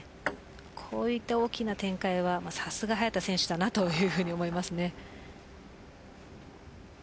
こういった大きな展開はさすが早田選手というふうに思います。